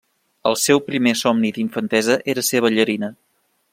El seu primer somni d'infantesa era ser ballarina.